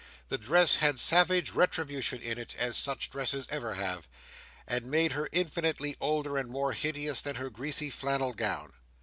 The dress had savage retribution in it, as such dresses ever have, and made her infinitely older and more hideous than her greasy flannel gown.